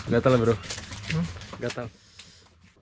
gatel ya bro gatel